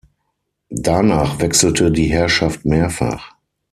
Danach wechselte die Herrschaft mehrfach.